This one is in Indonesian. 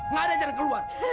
nggak ada jalan keluar